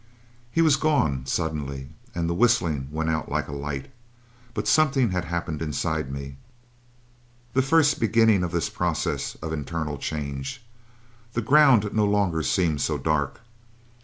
"He was gone, suddenly, and the whistling went out like a light, but something had happened inside me the first beginning of this process of internal change. The ground no longer seemed so dark.